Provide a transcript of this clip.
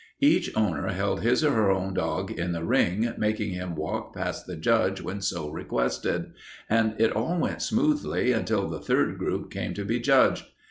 Each owner held his or her own dog in the ring, making him walk past the judge when so requested, and it all went smoothly until the third group came to be judged.